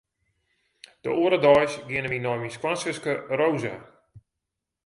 De oare deis geane wy nei myn skoansuske Rosa.